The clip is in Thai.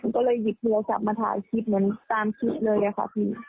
ก็เลยหยิบโทรศัพท์มาถ่ายคลิปเหมือนตามคลิปเลยค่ะพี่